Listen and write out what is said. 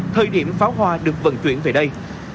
thời điểm pháo hoa được vận chuyển về đây